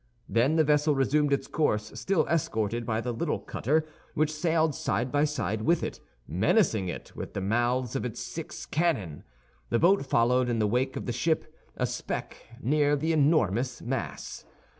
Then the vessel resumed its course, still escorted by the little cutter, which sailed side by side with it, menacing it with the mouths of its six cannon. The boat followed in the wake of the ship, a speck near the enormous mass.